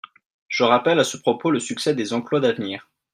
Je rappelle à ce propos le succès des emplois d’avenir.